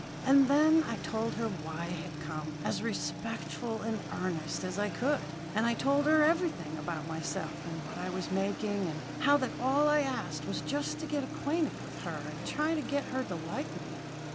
"And then I told her why I had come, as respectful and earnest as I could. And I told her everything about myself, and what I was making, and how that all I asked was just to get acquainted with her and try to get her to like me.